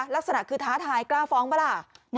ลักษณะคือท้าทายกล้าฟ้องปะล่ะ